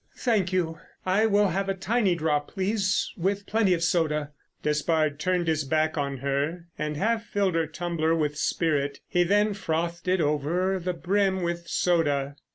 "Thank you, I will have a tiny drop, please, with plenty of soda." Despard turned his back on her and half filled her tumbler with spirit, he then frothed it over the brim with soda.